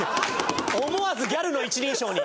思わずギャルの一人称に。